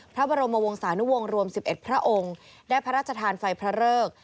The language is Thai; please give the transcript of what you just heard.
พระบรมวงศานุวงศ์รวม๑๑พระองค์ได้พระราชทานไฟพระเริก